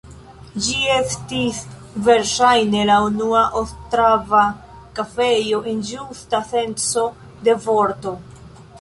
Ĝi estis verŝajne la unua ostrava kafejo en ĝusta senco de vorto.